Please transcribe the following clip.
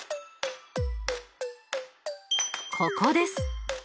ここです。